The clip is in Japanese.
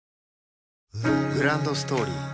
グランドストーリー